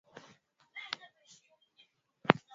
sema na imani kubwa na baraza lake kufanya kazi kwa awali